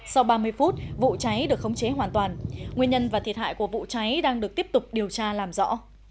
sau ba mươi phút vụ cháy được khống chế hoàn toàn nguyên nhân và thiệt hại của vụ cháy đang được tiếp tục điều tra làm rõ